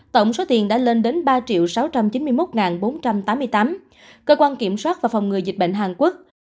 tổng số tiền đã lên đến ba sáu trăm chín mươi một bốn trăm tám mươi tám cơ quan kiểm soát và phòng ngừa dịch bệnh hàn quốc